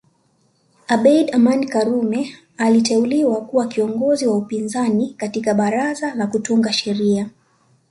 Abeid Amani Karume aliteuliwa kuwa kiongozi wa upinzani katika baraza la kutunga sheria